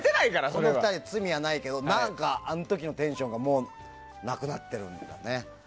この２つに罪はないけどあの時のテンションがもうなくなってるんだよね。